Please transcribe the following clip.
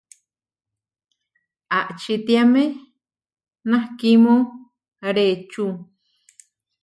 Ačitiamé nakhimú reʼečú?